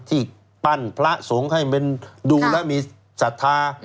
ที่ปั้นพระสงฆ์ให้มันดูแล้วมีศรัทธา